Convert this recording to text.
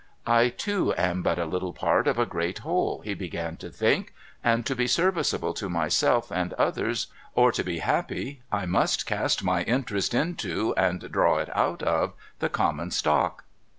' I too am but a little part of a great whole,' he began to think; 'and to be serviceable to myself and others, or to be happy, I must cast my interest into, and draw it out of, the common stock.'